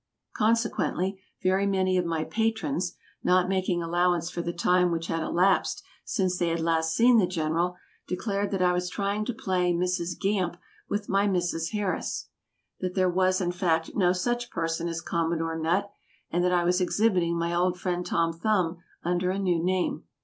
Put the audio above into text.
Consequently, very many of my patrons, not making allowance for the time which had elapsed since they had last seen the General, declared that I was trying to play "Mrs. Gamp" with my "Mrs. Harris"; that there was, in fact, no such person as "Commodore Nutt"; and that I was exhibiting my old friend Tom Thumb under a new name.